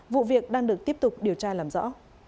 vụ việc đang được tiếp tục điều tra làm rõ